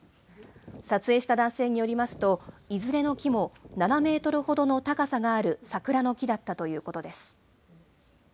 撮影した男性によりますと、いずれの木も７メートルほどの高さがある桜の木だったということです。